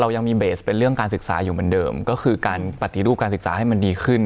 ยังมีเบสเป็นเรื่องการศึกษาอยู่เหมือนเดิมก็คือการปฏิรูปการศึกษาให้มันดีขึ้น